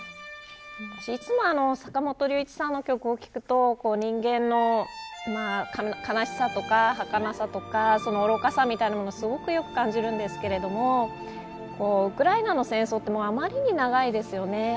いつも坂本龍一さんの曲を聞くと人間の悲しさとか、はかなさとか愚かさみたいなものをよく感じるんですけどウクライナの戦争はあまりに長いですよね。